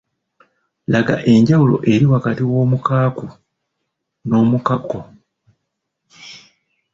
Laga enjawulo eri wakati w'omukaaku n'omukaako?